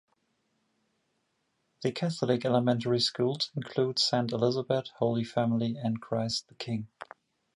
The Catholic elementary schools include Saint Elizabeth, Holy Family, and Christ the King.